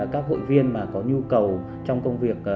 các hội viên mà có nhu cầu trong công việc